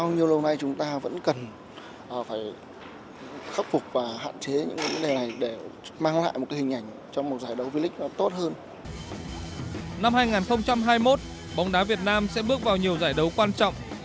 năm hai nghìn hai mươi một bóng đá việt nam sẽ bước vào nhiều giải đấu quan trọng